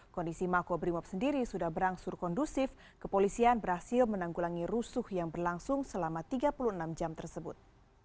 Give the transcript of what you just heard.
kondisi makobrimob sendiri sudah berangsur kondusif kepolisian berhasil menanggulangi rusuh yang berlangsung selama tiga puluh enam jam tersebut